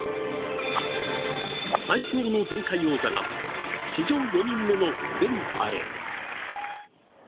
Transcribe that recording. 最強の前回王者が史上４人目の連覇へ。